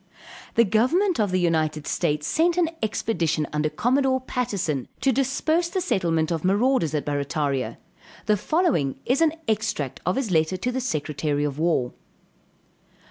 The government of the United States sent an expedition under Commodore Patterson, to disperse the settlement of marauders at Barrataria; the following is an extract of his letter to the secretary of war.